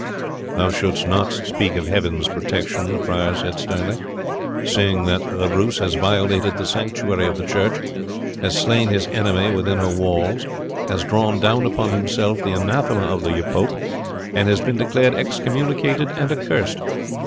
"Thou shouldst not speak of Heaven's protection," the prior said, sternly, "seeing that Bruce has violated the sanctuary of the church, has slain his enemy within her walls, has drawn down upon himself the anathema of the pope, and has been declared excommunicated and accursed."